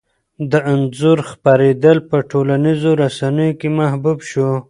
د انځور خپرېدل په ټولنیزو رسنیو کې محبوب شو.